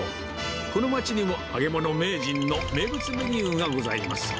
この街にも揚げ物名人の名物メニューがございます。